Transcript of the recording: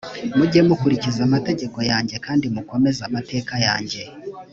mujye mukurikiza amategeko yanjye kandi mukomeze amateka yanjye